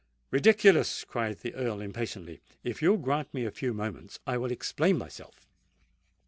"Ridiculous!" cried the Earl impatiently. "If you will grant me a few moments, I will explain myself."